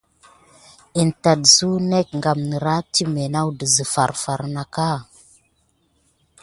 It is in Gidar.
In tät suk nek gam niraki timé naku dezi farfar naka.